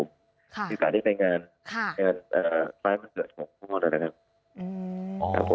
มีโอกาสได้มีไว้ในการใช้ผลเกิดของพ่อนะครับ